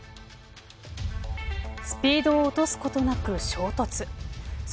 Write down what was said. スピードを落とすことなく衝突。